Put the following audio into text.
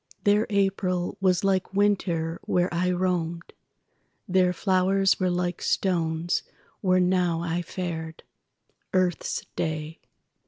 Their April was like winter where I roamed; Their flowers were like stones where now I fared. Earth's day!